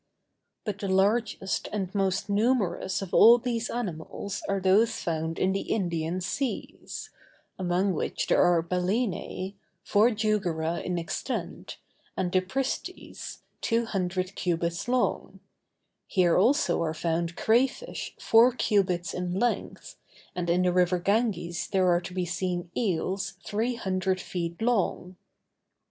_] But the largest and most numerous of all these animals are those found in the Indian seas; among which there are balænæ, four jugera in extent, and the pristis, two hundred cubits long: here also are found cray fish four cubits in length, and in the river Ganges there are to be seen eels three hundred feet long.